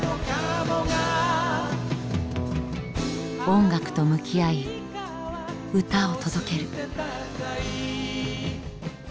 音楽と向き合い歌を届ける。